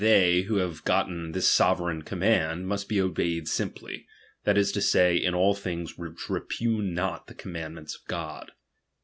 tliey who have gotten this sovereign command^ '* must be obeyed simply, that is to say, in all things which repugn not the commandments of God.